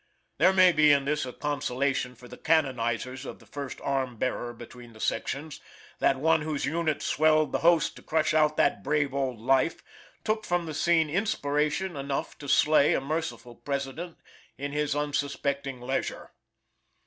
There may be in this a consolation for the canonizers of the first arm bearer between the sections, that one whose unit swelled the host to crush out that brave old life, took from the scene inspiration enough to slay a merciful President in his unsuspecting leisure.